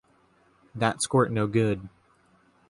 That squirt no good.